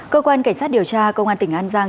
cơ quan cảnh sát điều tra công an tỉnh an giang